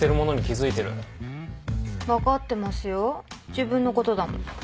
自分のことだもん。